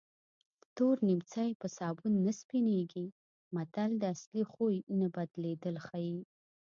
تور نیمڅی په سابون نه سپینېږي متل د اصلي خوی نه بدلېدل ښيي